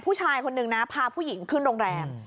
ผู้ชายคนนึงนะพาผู้หญิงขึ้นโรงแรม